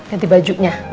ganti bajunya ya